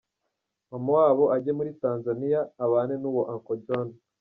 mama wabo ajye muri Tanzaniya, abane n’uwo uncle John.